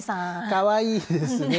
かわいいですね。